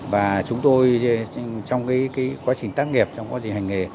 và chúng tôi trong quá trình tác nghiệp trong quá trình hành nghề